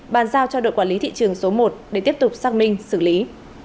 bàn giao cho đội quản lý thị trường số một để tiếp tục xác minh xử lý